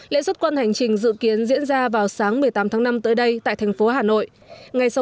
lễ xuất quân hành trình dự kiến diễn ra vào sáng một mươi tám tháng năm tới đây tại thành phố hà nội ngay sau